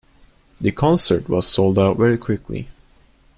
The concert was sold out very quickly.